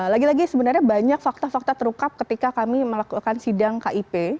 lagi lagi sebenarnya banyak fakta fakta terungkap ketika kami melakukan sidang kip